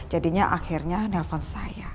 jadinya akhirnya nelfon saya